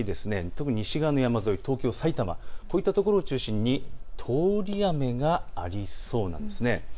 特に西側の山沿い、東京、埼玉、こういったところを中心に通り雨がありそうなんです。